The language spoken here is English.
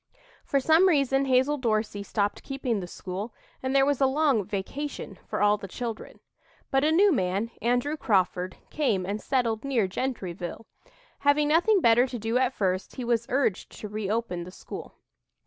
For some reason Hazel Dorsey stopped "keeping" the school, and there was a long "vacation" for all the children. But a new man, Andrew Crawford, came and settled near Gentryville. Having nothing better to do at first, he was urged to reopen the school.